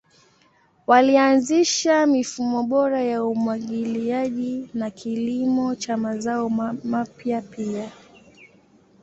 Walianzisha mifumo bora ya umwagiliaji na kilimo cha mazao mapya pia.